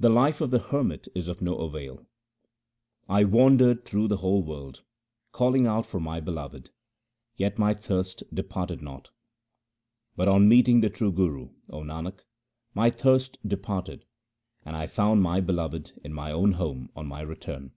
The life of the hermit is of no avail :— 1 wandered through the whole world calling out for my Beloved, yet my thirst departed not ; But on meeting the true Guru, O Nanak, my thirst departed, and I found my Beloved in my own home on my return.